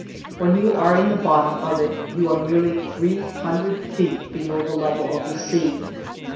When you are in the bottom of it you are nearly three hundred feet below the level of the sea.